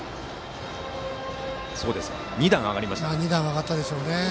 上がったでしょうね。